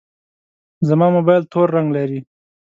زما موبایل تور رنګ لري.